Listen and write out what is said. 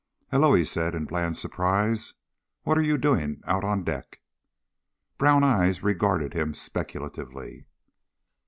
"Hullo," he said in bland surprise. "What are you doing out on deck?" Brown eyes regarded him speculatively.